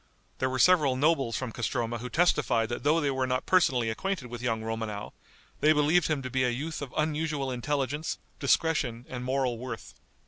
There were several nobles from Castroma who testified that though they were not personally acquainted with young Romanow, they believed him to be a youth of unusual intelligence, discretion and moral worth.